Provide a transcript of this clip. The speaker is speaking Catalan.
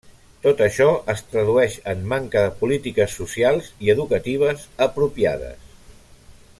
Tot això es tradueix en manca de polítiques socials i educatives apropiades.